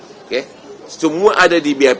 oke semua ada di bap